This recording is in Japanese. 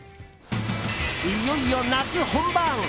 いよいよ夏本番。